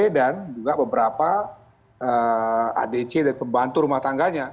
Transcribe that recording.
dan juga beberapa adc dan pembantu rumah tangganya